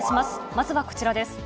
まずはこちらです。